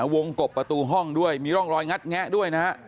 วงกบประตูห้องด้วยมีร่องรอยงัดแงะด้วยนะฮะ